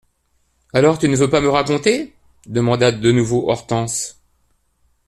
Alors, tu ne veux pas me raconter ? demanda de nouveau Hortense.